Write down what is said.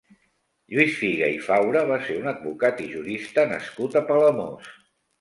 Lluís Figa i Faura va ser un advocat i jurista nascut a Palamós.